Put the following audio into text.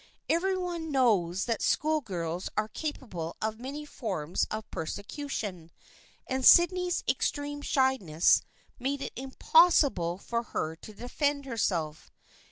Every one knows that schoolgirls are capable of many forms of persecution, and Syd ney's extreme shyness made it impossible for her to defend herself.